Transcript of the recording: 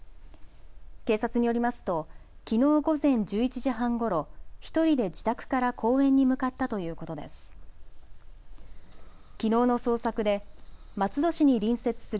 警察によりますときのう午前１１時半ごろ１人で自宅から公園に向かったということです。